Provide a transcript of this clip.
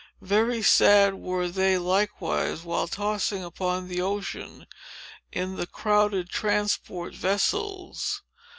Very sad were they, likewise, while tossing upon the ocean, in the crowded transport vessels.